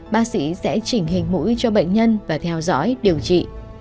bác sĩ sẽ chỉnh hình mũi cho bệnh nhân và theo dõi điều trị